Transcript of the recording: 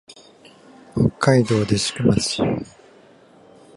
北海道弟子屈町